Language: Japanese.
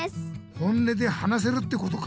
本音で話せるってことか！